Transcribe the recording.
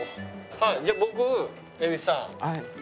じゃあ僕蛭子さん。